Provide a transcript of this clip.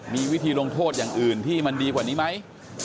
มีวิธีลงโทษอย่างอื่นที่มันดีกว่านี้ไหม